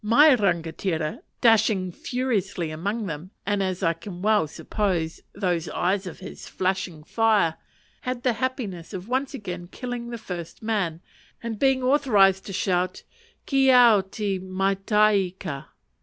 My rangatira, dashing furiously among them, and as I can well suppose those eyes of his flashing fire, had the happiness of once again killing the first man, and being authorized to shout "_Ki au te mataika!